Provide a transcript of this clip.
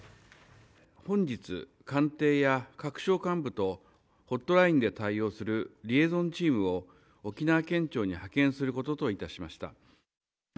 本日、官邸や各省幹部とホットラインで対応するリエゾンチームを、沖縄県庁に派遣することといたしました。